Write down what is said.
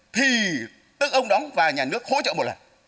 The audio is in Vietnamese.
thì tức ông đóng và nhà nước hỗ trợ một lần